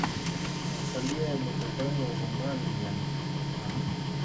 Masalia ya mwanadamu wa zamani yalipatikana